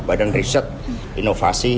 badan riset inovasi